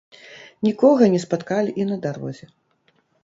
Нікога не спаткалі і на дарозе.